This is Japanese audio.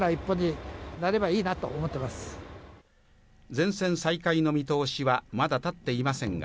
全線再開の見通しはまだ立っていませんが